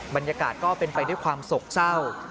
บรรยากาศก็เป็นไปด้วยความโศกเศร้า